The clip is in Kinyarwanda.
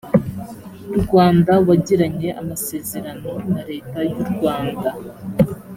rwanda wagiranye amasezerano na leta y urwanda